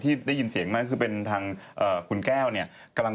พี่พูดอาจจากการวิจารณิย์ดูทง